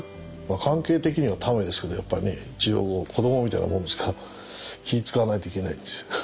関係的にはタメですけどやっぱね一応子供みたいなもんですから気ぃ遣わないといけないんですよ。